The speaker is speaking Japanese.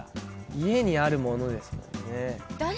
家にあるものですもんね。